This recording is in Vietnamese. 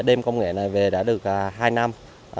đem công nghệ này về đã được hai năm